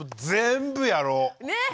全部やろう。ね！